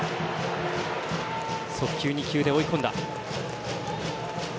速球２球で追い込んだ。